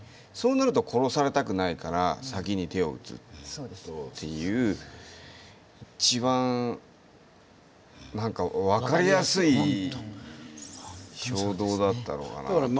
そうなると殺されたくないから先に手を打つっていう一番なんか分かりやすい衝動だったのかなという。